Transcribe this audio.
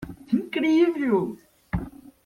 Incrível!